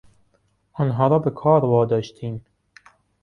آنها را به کار واداشتیم.